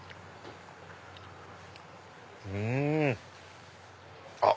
うん！あっ！